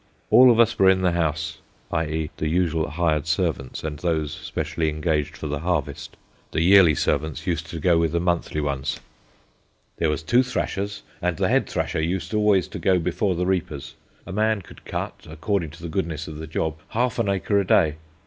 All of us were in the house [i.e., the usual hired servants, and those specially engaged for the harvest]: the yearly servants used to go with the monthly ones. "There were two thrashers, and the head thrasher used always to go before the reapers. A man could cut according to the goodness of the job, half an acre a day.